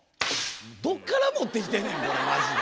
どっから持ってきてんねんこれマジで。